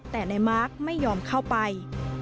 แต่นายมาร์คไม่ยอมเข้าไป